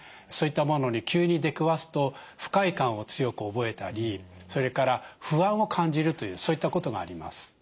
そういったものに急に出くわすと不快感を強く覚えたりそれから不安を感じるというそういったことがあります。